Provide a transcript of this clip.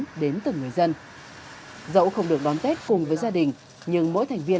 được đón tết cùng với gia đình nhưng mỗi thành viên đều được đón tết cùng với gia đình nhưng mỗi thành viên